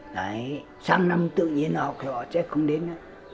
đấy sáng năm tự nhiên họ sẽ không đến nữa